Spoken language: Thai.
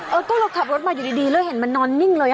เออก็เราขับรถมาอยู่ดีแล้วเห็นมันนอนนิ่งเลย